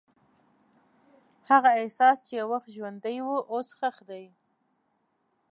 هغه احساس چې یو وخت ژوندی و، اوس ښخ دی.